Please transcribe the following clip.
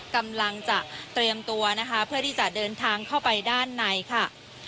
กำลังจะเตรียมตัวนะคะเพื่อที่จะเดินทางเข้าไปด้านในค่ะ